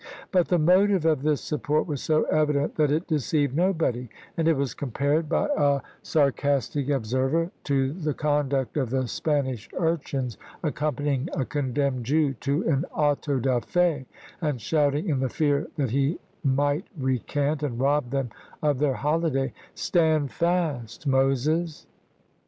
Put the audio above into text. But the motive of this support was so evident that it deceived nobody ; and it was compared by a sar~ castic observer to the conduct of the Spanish, urchins accompanying a condemned Jew to an auto da fe, and shouting, in the fear that he might recant and rob them of their holiday, " Stand fast, Moses."